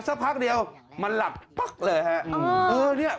สักพักเดียวมันหลับปั๊กเลยฮะ